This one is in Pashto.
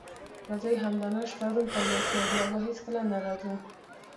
راځئ همدا نن شپه روم ته ولاړ شو او بیا به هیڅکله نه راځو.